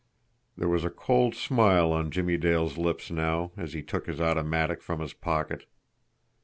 There was a cold smile on Jimmie Dale's lips now, as he took his automatic from his pocket.